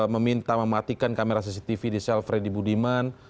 meminta mematikan kamera cctv di sel freddy budiman